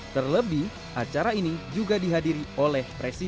terlebih acara ini juga dihadiri oleh presiden